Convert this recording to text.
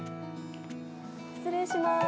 失礼します。